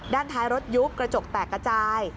ด้านท้ายรถยุบกระจกแตกกระจาย